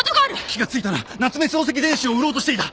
気が付いたら夏目漱石全集を売ろうとしていた。